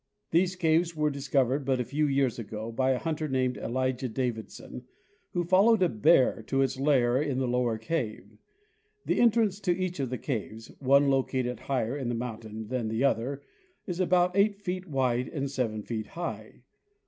These caves were discovered but a few years ago by a hunter named Elijah David son, who followed a bear to its lair in the lower cave. The entrance to each of the caves, one located higher in the moun tain than the other, is about eight feet wide and seven feet high.